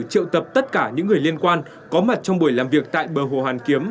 triệu tập tất cả những người liên quan có mặt trong buổi làm việc tại bờ hồ hàn kiếm